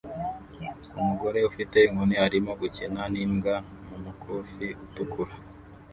Umugore ufite inkoni arimo gukina nimbwa mumukufi utukura